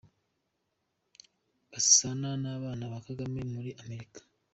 Gasana n’abana ba Kagame muri Amerika